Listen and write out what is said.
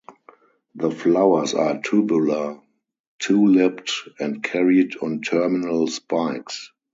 The flowers are tubular, two-lipped, and carried on terminal spikes.